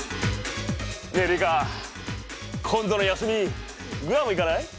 ねえリカ今度の休みグアム行かない？